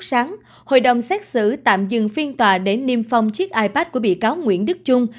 sáng hội đồng xét xử tạm dừng phiên tòa để niêm phong chiếc ipad của bị cáo nguyễn đức trung